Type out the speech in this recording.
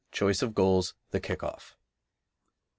Choice of Goals. The Kick off. 2.